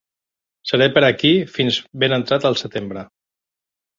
Seré per aquí fins ben entrat el setembre.